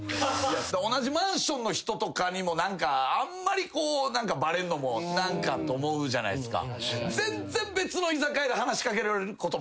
同じマンションの人とかにもあんまりバレんのも何かと思うじゃないっすか。